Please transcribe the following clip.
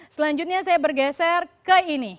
selanjutnya saya bergeser ke ini